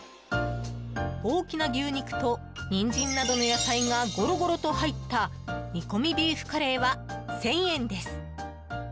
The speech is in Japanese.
大きな牛肉と、ニンジンなどの野菜がゴロゴロと入った煮込みビーフカレーは１０００円です。